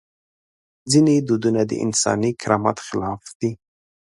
ځینې دودونه د انساني کرامت خلاف دي.